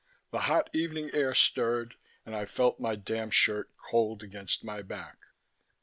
The hot evening air stirred, and I felt my damp shirt cold against my back.